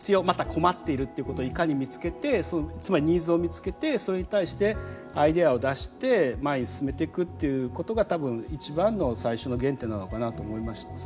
また困っているってことをいかに見つけてつまりニーズを見つけてそれに対してアイデアを出して前に進めていくっていうことが多分一番の最初の原点なのかなと思います。